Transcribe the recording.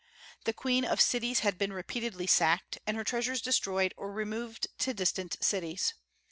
The queen of cities had been repeatedly sacked, and her treasures destroyed or removed to distant cities.